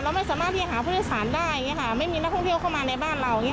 เราไม่สามารถที่จะหาผู้โดยสารได้ไม่มีนักท่องเที่ยวเข้ามาในบ้านเรา